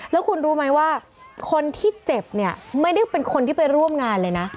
แล้วคุณรู้ไหมว่าคนที่เจ็บเนี่ยไม่ได้เป็นคนที่ไปร่วมงานเลยนะ